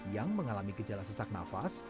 yang mengalami gejala sesak nafas